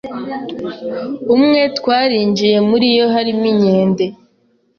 Umwe twarinjiye Muri yo harimo inkende